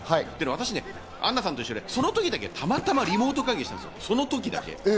私、アンナさんと一緒で、その時だけたまたまリモート会議してたんです。